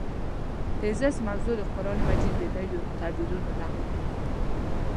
د تېزس موضوع د قران مجید د نویو تعبیرونو نقد و.